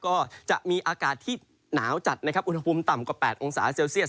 ก็จะมีอากาศที่หนาวจัดนะครับอุณหภูมิต่ำกว่า๘องศาเซลเซียส